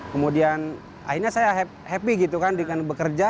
kemudian akhirnya saya happy gitu kan dengan bekerja